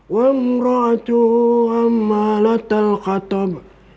wamra'atu amalat al qatab